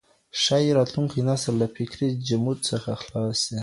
ښايي راتلونکی نسل له فکري جمود څخه خلاص سي.